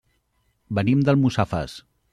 Venim d'Almussafes.